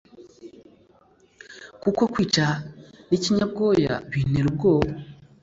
Kuko kwica n'ikinyabwoya bintera ubwoba.